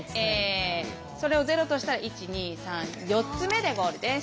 それをゼロとしたら１２３４つ目でゴールです。